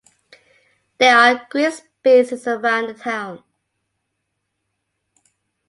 There are green spaces around the town.